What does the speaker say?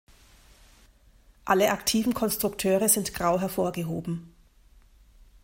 Alle aktiven Konstrukteure sind grau hervorgehoben.